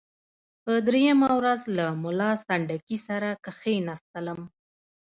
په دریمه ورځ له ملا سنډکي سره کښېنستلم.